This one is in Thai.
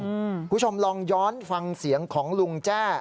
คุณผู้ชมลองย้อนฟังเสียงของลุงแจ้